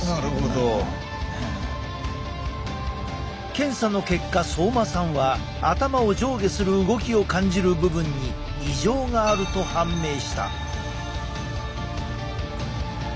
検査の結果相馬さんは頭を上下する動きを感じる部分に異常があると判明した。